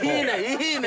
いいね！